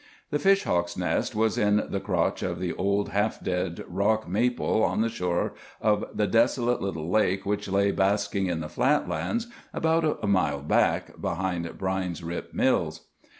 The fish hawk's nest was in the crotch of the old, half dead rock maple on the shore of the desolate little lake which lay basking in the flat lands about a mile back, behind Brine's Rip Mills.